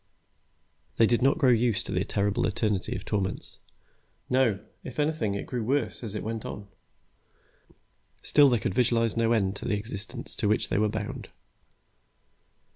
They did not grow used to the terrible eternity of torments. No, if anything, it grew worse as it went on. Still, they could visualize no end to the existence to which they were bound.